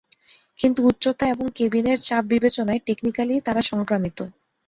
কিন্তু উচ্চতা এবং কেবিনের চাপ বিবেচনায়, টেকনিক্যালি, তারা সংক্রামিত।